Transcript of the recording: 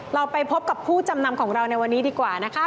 เราไปพบกับผู้จำนำของเราในวันนี้ดีกว่านะคะ